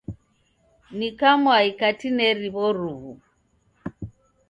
Ni kamwai katineri w'oruw'u.